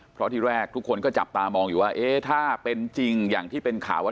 เพราะที่แรกทุกคนก็จับตามองอยู่ว่าเอ๊ะถ้าเป็นจริงอย่างที่เป็นข่าวว่า